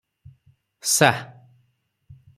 ସା।